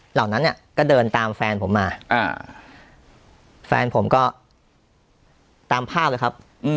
เหล่านั้นเนี่ยก็เดินตามแฟนผมมาแฟนผมก็ตามภาพเลยครับ